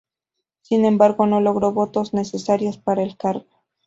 Sin embargo, no logró los votos necesarios para el cargo.